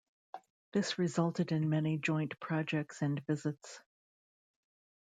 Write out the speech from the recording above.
This resulted in many joint projects and visits.